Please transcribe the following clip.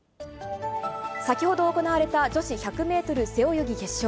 先ほど行われた、女子１００メートル背泳ぎ決勝。